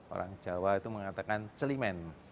orang jawa itu mengatakan celimen